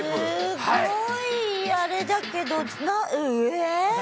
すごいあれだけどええー？